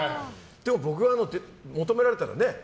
でも僕は求められたらね